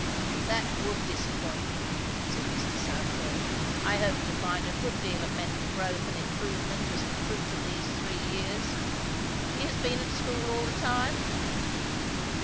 "That would disappoint me," said Mr. Southwode. "I hoped to find a good deal of mental growth and improvement as the fruit of these three years. She has been at school all the time?"